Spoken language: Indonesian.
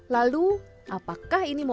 lalu apakah ini mau